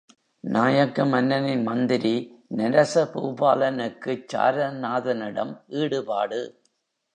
நாயக்க மன்னனின் மந்திரி நரச பூபாலனுக்குச் சாரநாதனிடம் ஈடுபாடு.